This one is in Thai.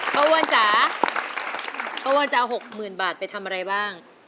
พ่ออ้วนจ๋าพ่ออ้วนจ๋าเอาหกหมื่นบาทไปทำอะไรบ้าง